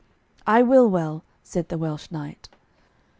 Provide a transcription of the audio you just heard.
"I will well," said the Welsh knight.